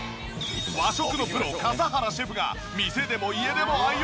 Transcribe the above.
和食のプロ笠原シェフが店でも家でも愛用！